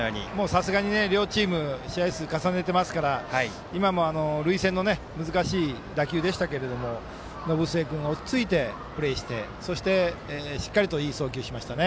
さすがに両チーム試合数を重ねてますから今も塁線の難しい打球でしたけど延末君、落ち着いてプレーをしてそして、しっかりといい送球をしましたね。